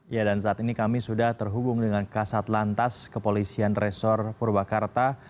ya dan saat ini kami sudah terhubung dengan kasat lantas kepolisian resor purwakarta